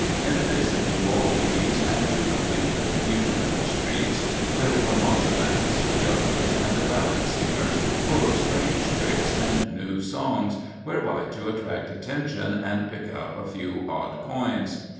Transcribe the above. In addition to all these, and to complete the confusion of the streets, there were mountebanks, jugglers, and ballad singers, full of strange tricks and new songs, whereby to attract attention and pick up a few odd coins.